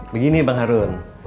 begini bang harun